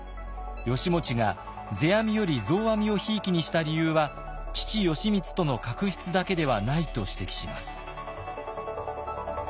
義持が世阿弥より増阿弥をひいきにした理由は父・義満との確執だけではないと指摘します。